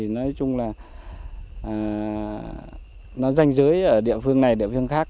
nói chung là nó danh giới ở địa phương này địa phương khác